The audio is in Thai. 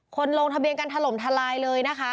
ลงทะเบียนกันถล่มทลายเลยนะคะ